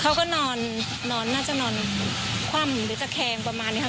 เขาก็นอนนอนน่าจะนอนคว่ำหรือตะแคงประมาณนี้ครับ